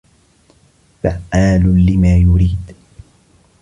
فعال لما يريد